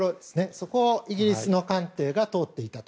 そこをイギリスの艦艇が通っていたと。